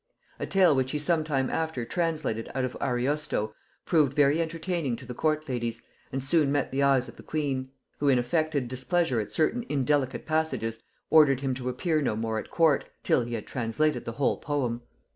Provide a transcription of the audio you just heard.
A tale which he sometime after translated out of Ariosto proved very entertaining to the court ladies, and soon met the eyes of the queen; who in affected displeasure at certain indelicate passages, ordered him to appear no more at court till he had translated the whole poem.